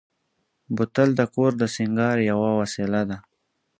بوتل د کور د سینګار یوه وسیله ده.